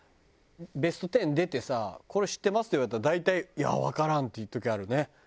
ベスト１０出てさ「これ知ってます？」って言われたら大体「いやわからん」っていう時あるね。